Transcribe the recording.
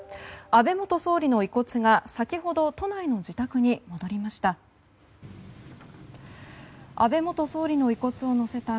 安倍元総理の遺骨が先ほど都内の自宅に戻りました。